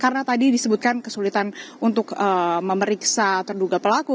karena tadi disebutkan kesulitan untuk memeriksa terduga pelaku